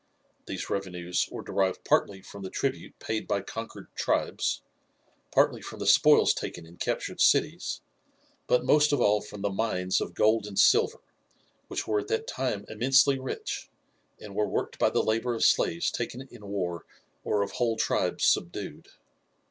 These revenues were derived partly from the tribute paid by conquered tribes, partly from the spoils taken in captured cities, but most of all from the mines of gold and silver, which were at that time immensely rich, and were worked by the labour of slaves taken in war or of whole tribes subdued.